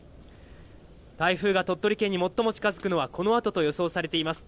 台風が鳥取県に最も近づくのはこのあとと予想されています。